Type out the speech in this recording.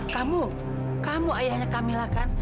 kamu kamu ayahnya kamilah kan